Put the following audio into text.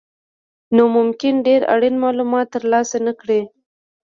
نو ممکن ډېر اړین مالومات ترلاسه نه کړئ.